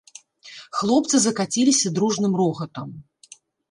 Хлопцы закаціліся дружным рогатам.